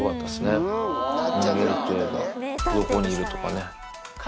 どこにいるとかね